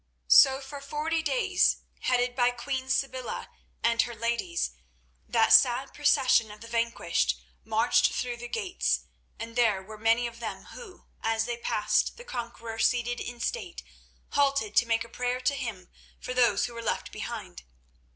So for forty days, headed by Queen Sybilla and her ladies, that sad procession of the vanquished marched through the gates, and there were many of them who, as they passed the conqueror seated in state, halted to make a prayer to him for those who were left behind.